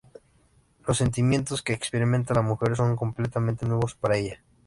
Los sentimientos que experimenta la mujer son completamente nuevos para ella.